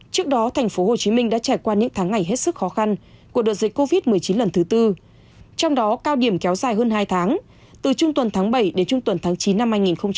trước đó thành phố hồ chí minh đã trải qua những tháng ngày hết sức khó khăn của đợt dịch covid một mươi chín lần thứ tư trong đó cao điểm kéo dài hơn hai tháng từ trung tuần tháng bảy đến trung tuần tháng chín năm hai nghìn hai mươi một